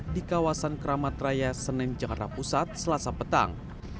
di kawasan keramat raya senen jakarta pusat selasa petang